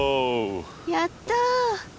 やった！